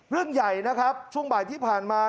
เรื่องใหญ่นะครับช่วงบ่ายที่ผ่านมา